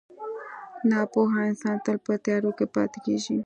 • ناپوهه انسان تل په تیارو کې پاتې کېږي.